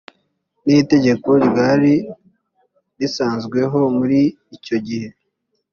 n itegeko ryari risanzweho muri icyo gihe